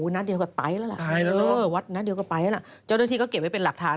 นัดเดียวกับไตล์แล้วล่ะวัดนัดเดียวกับไตล์แล้วล่ะเจ้าหน้าที่ก็เก็บไว้เป็นหลักฐาน